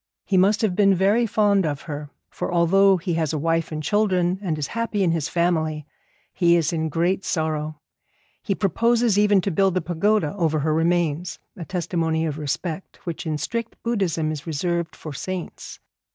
He must have been very fond of her, for although he has a wife and children, and is happy in his family, he is in great sorrow. He proposes even to build a pagoda over her remains, a testimony of respect which in strict Buddhism is reserved to saints.